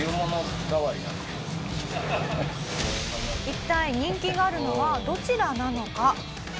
一体人気があるのはどちらなのか？